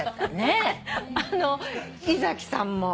あの井崎さんも。